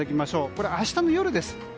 これは明日の夜です。